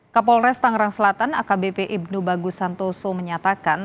kapolres tangerang selatan akbp ibnu bagusantoso menyatakan